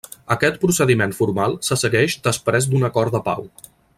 Aquest procediment formal se segueix després d'un acord de pau.